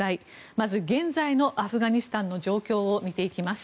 まず現在のアフガニスタンの状況を見ていきます。